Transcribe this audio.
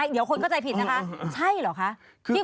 ไม่ใช่หรอกคะที่คุณจะเข้าใจอย่างนี้